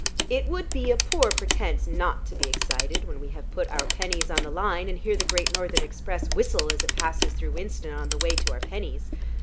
It would be a poor pretence not to be excited when we have put our pennies on the line, and hear the Great Northern Express whistle as it passes through Winston on the way to our pennies.